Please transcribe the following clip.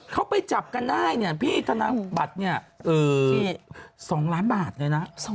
เขาไปจับกันได้เนี่ยพี่ธนบัตรเนี่ย๒ล้านบาทเลยนะ